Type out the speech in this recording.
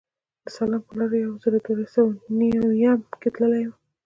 د سالنګ پر لاره په یو زر در سوه نویم کې تللی وم.